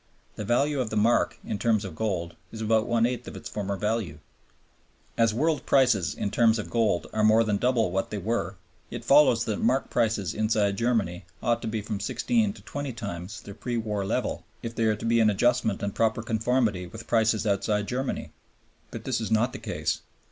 The value of the mark in terms of gold is about one eighth of its former value. As world prices in terms of gold are more than double what they were, it follows that mark prices inside Germany ought to be from sixteen to twenty times their pre war level if they are to be in adjustment and proper conformity with prices outside Germany. But this is not the case.